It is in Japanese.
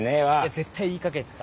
絶対言いかけてた。